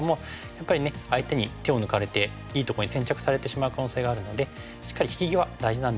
やっぱりね相手に手を抜かれていいところに先着されてしまう可能性があるのでしっかり引き際大事なんですけれども。